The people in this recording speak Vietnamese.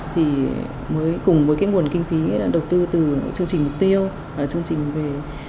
thì mới cùng với cái nguồn kinh phí đầu tư từ chương trình mục tiêu chương trình về